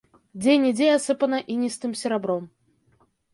Дзе-нідзе асыпана іністым серабром.